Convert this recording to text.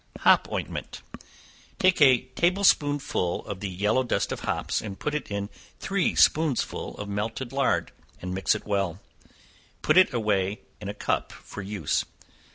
Hop Ointment. Take a table spoonful of the yellow dust of hops, and put it in three spoonsful of melted lard, and mix it well; put it away in a cup for use.